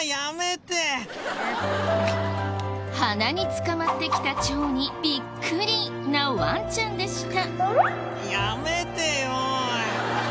鼻につかまってきたチョウにビックリなワンちゃんでした。